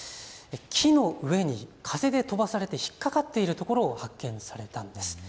木の上に風で飛ばされて引っ掛かっているところを発見されたんです。